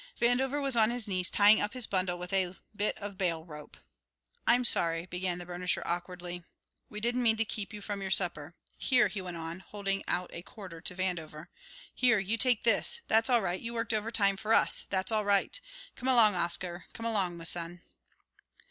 Vandover was on his knees tying up his bundle with a bit of bale rope. "I'm sorry," began the burnisher awkwardly. "We didn't mean to keep you from your supper here," he went on, holding out a quarter to Vandover, "here, you take this, that's all right you worked overtime for us, that's all right. Come along, Oscar; come along, m'son."